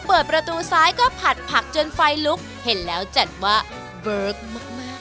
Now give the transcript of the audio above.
เปิดประตูซ้ายก็ผัดผักจนไฟลุกเห็นแล้วจัดว่าเบิร์กมาก